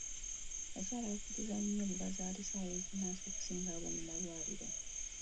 Abakyala bakkiririza nnyo mu bazaalisa ab'ekinnansi okusinga ab'o mu malwaliro.